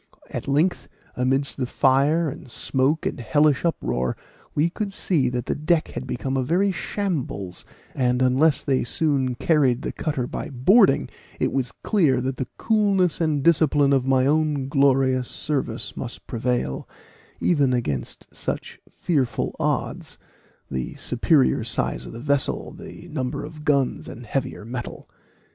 At length, amidst the fire and smoke and hellish uproar, we could see that the deck had become a very shambles; and unless they soon carried the cutter by boarding, it was clear that the coolness and discipline of my own glorious service must prevail, even against such fearful odds; the superior size of the vessel, greater number of guns, and heavier metal.